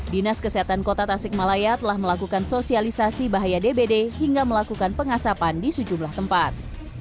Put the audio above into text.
dinas kesehatan kota tasikmalaya telah melakukan sosialisasi bahaya dbd hingga melakukan pengasapan di sejumlah tempat